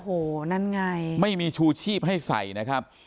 โอ้โหนั่นไงไม่มีชูชีพให้ใส่นะครับ